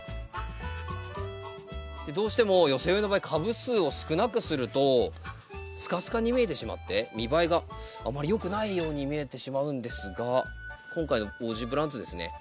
どうしても寄せ植えの場合株数を少なくするとスカスカに見えてしまって見栄えがあまりよくないように見えてしまうんですが今回のオージープランツですね